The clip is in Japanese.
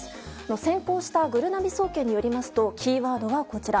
選考したぐるなび総研によりますとキーワードはこちら。